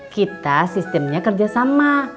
kita sistemnya kerja sama